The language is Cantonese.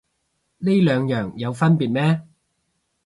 呢兩樣有分別咩